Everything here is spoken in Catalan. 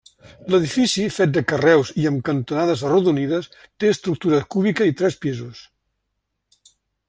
L'edifici, fet de carreus i amb cantonades arrodonides, té estructura cúbica i tres pisos.